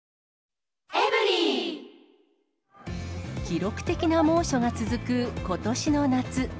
記録的な猛暑が続くことしの夏。